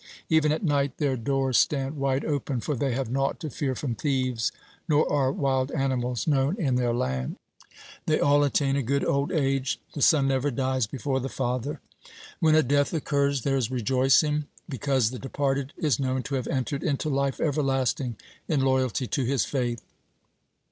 Even at night their doors stand wide open, for they have naught to fear from thieves, nor are wild animals known in their land. They all attain a good old age. The son never dies before the father. When a death occurs, there is rejoicing, because the departed is known to have entered into life everlasting in loyalty to his faith.